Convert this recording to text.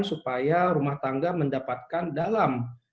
supaya rumah tangga mendapatkan dalam